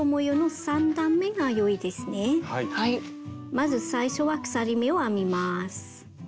まず最初は鎖目を編みます。